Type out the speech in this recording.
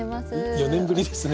４年ぶりですね。